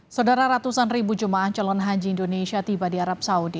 saudara ratusan ribu jemaah calon haji indonesia tiba di arab saudi